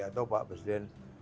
atau pak presiden